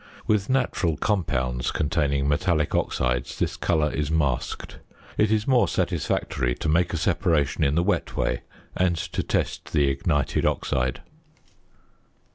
With natural compounds containing metallic oxides this colour is masked. It is more satisfactory to make a separation in the wet way and to test the ignited oxide.